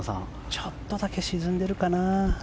ちょっとだけ沈んでるかな。